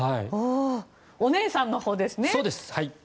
お姉さんのほうですね。